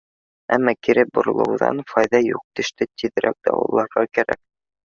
Әммә кире боролоуҙан файҙа юҡ, теште тиҙерәк дауаларға кәрәк.